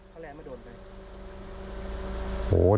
ตะเลียนไม่โดนไป